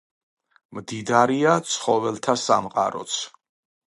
მდიდარია ცხოველთა სამყაროც.